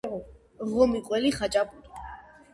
ღომი ყველი ხაჭაპური